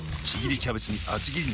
キャベツに厚切り肉。